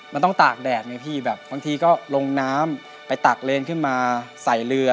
มันต้องตากแดดไงพี่แบบบางทีก็ลงน้ำไปตากเลนขึ้นมาใส่เรือ